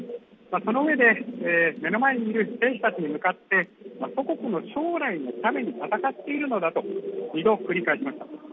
そのうえで、目の前にいる兵士たちに向かって、祖国の将来のために戦っているのだと、２度繰り返しました。